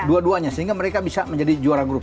dua duanya sehingga mereka bisa menjadi juara grup